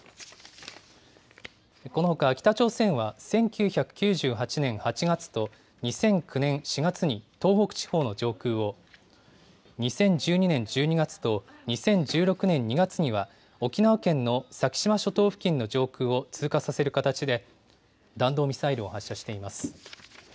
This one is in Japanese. このほか北朝鮮は１９９８年８月と２００９年４月に東北地方の上空を、２０１２年１２月と２０１６年２月には、沖縄県の先島諸島付近の上空を通過させる形で、弾道ミサイルを発射しています。